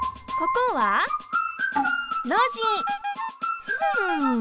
ここは「路地」。